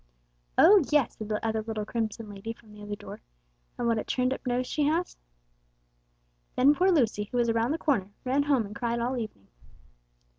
'Oh, yes,' said the other little crimson lady from the other door, 'and what a turned up nose she has!' Then poor Lucy, who was around the corner, ran home and cried all evening."